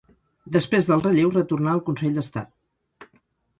Després del relleu retornà al Consell d'Estat.